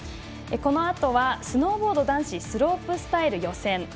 このあとはスノーボード男子スロープスタイル予選。